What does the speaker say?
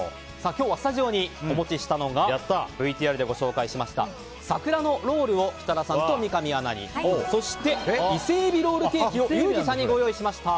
今日はスタジオにお持ちしたのがＶＴＲでご紹介しました桜のロールを設楽さんと三上アナにそして伊勢えびロールケーキをユージさんにご用意しました。